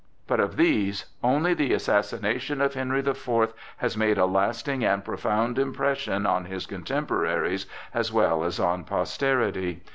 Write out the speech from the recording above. But of these only the assassination of Henry the Fourth has made a lasting and profound impression on his contemporaries as well as on posterity.